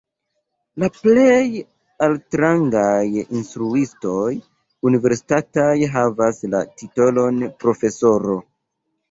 La plej altrangaj instruistoj universitataj havas la titolon profesoro.